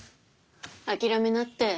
諦めなって。